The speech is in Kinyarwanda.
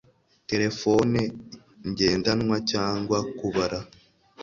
terefone ngendanwa cyangwa kubara